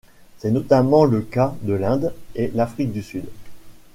C'est notamment le cas de l'Inde et l'Afrique du Sud.